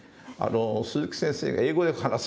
鈴木先生が英語で話された。